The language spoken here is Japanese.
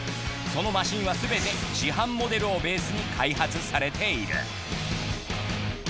そのマシンはすべて市販モデルをベースに開発されている。